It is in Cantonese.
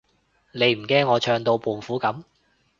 你唔驚我唱到胖虎噉？